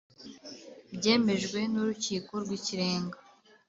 byemejwe n Urukiko rw Ikirenga